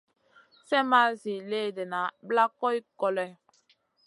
Slèh ma zi léhdéna plak goy koloy.